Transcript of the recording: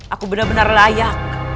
aku benar benar layak